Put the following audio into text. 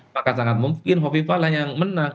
maka sangat mungkin hovifa lah yang menang